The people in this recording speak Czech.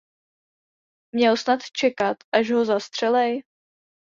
Měl snad čekat, až ho zastřelej?